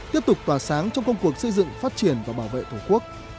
tiếp tục tỏa sáng trong công cuộc xây dựng phát triển và bảo vệ tổ quốc